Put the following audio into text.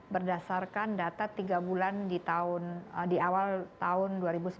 berdasarkan data tiga bulan di awal tahun dua ribu sembilan belas